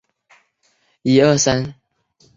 克尼格斯海恩是德国萨克森州的一个市镇。